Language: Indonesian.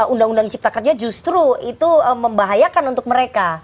undang undang cipta kerja justru itu membahayakan untuk mereka